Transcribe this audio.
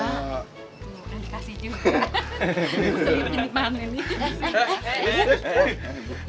nggak mau dikasih juga